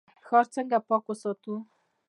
ښار څنګه پاک وساتو؟